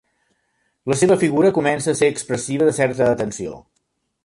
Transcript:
La seva figura comença a ser expressiva de certa atenció.